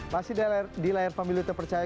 masih di layar pemilu terpercaya